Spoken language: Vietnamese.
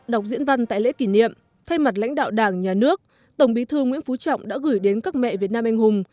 đọc diễn văn tại lễ kỷ niệm thay mặt lãnh đạo đảng nhà nước tổng bí thư nguyễn phú trọng đã gửi đến các mẹ việt nam anh hùng